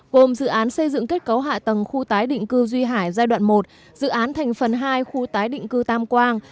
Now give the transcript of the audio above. gồm dự án xây dựng kết cấu hạ tầng khu tái định cư duy hải giai đoạn một dự án thành phần hai khu tái định cư tam quang